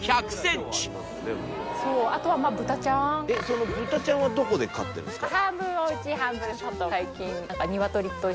そうあとはまあブタちゃんえっそのブタちゃんはどこで飼ってんですか？